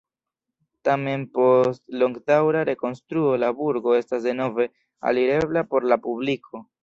Tamen post longdaŭra rekonstruo la burgo estas denove alirebla por la publiko.